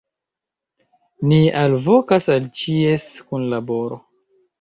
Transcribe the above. Ni alvokas al ĉies kunlaboro.